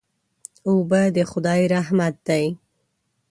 اوبه د خدای رحمت دی.